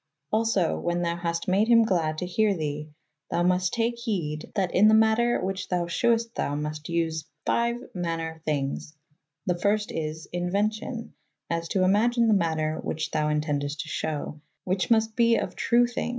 ^ Also wha« thou haste made hym gladde to here the, thou must take hede that in the matter which thou shewest thou must vse . V . maner thynges. The fyrst is : inue«cio«, as to ymagyn the mater which thou intendest to shew, which must be of trew thyng